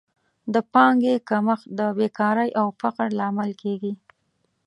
د پانګې کمښت د بېکارۍ او فقر لامل کیږي.